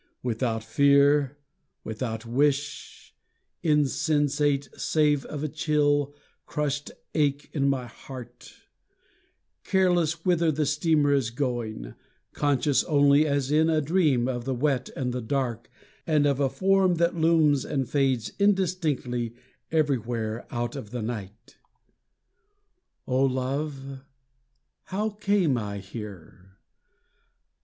Without fear, without wish, Insensate save of a dull, crushed ache in my heart, Careless whither the steamer is going, Conscious only as in a dream of the wet and the dark And of a form that looms and fades indistinctly Everywhere out of the night. O love, how came I here?